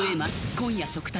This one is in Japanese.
今夜食卓で。